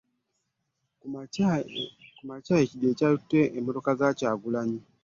Ea ku makya e Kidyeri kyatutte emmotoka za Kyagulanyi